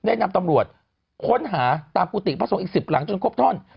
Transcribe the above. ได้นำตำรวจค้นหาตามกุฏิพระสงฆ์อีก๑๐หลังจนครบท่อน